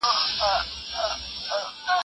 ولي محنتي ځوان د تکړه سړي په پرتله خنډونه ماتوي؟